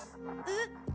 えっ？